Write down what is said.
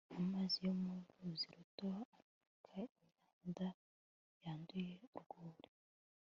amazi yo mu ruzi ruto anuka; imyanda yanduye urwuri